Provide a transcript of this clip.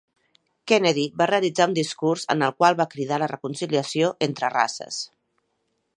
Kennedy va realitzar un discurs en el qual va cridar a la reconciliació entre races.